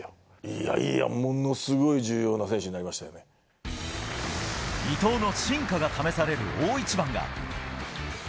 いやいや、ものすごい重要な選手伊東の真価が試される大一番が。